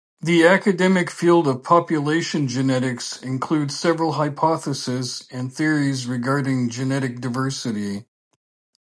The academic field of population genetics includes several hypotheses and theories regarding genetic diversity.